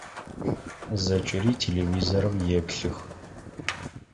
Зэкӏэри телевизорым еплъых.